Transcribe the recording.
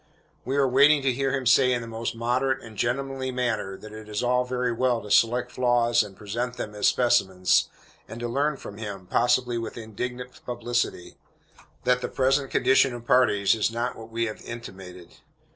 We are waiting to hear him say in the most moderate and "gentlemanly" manner, that it is all very well to select flaws and present them as specimens, and to learn from him, possibly with indignant publicity, that the present condition of parties is not what we have intimated.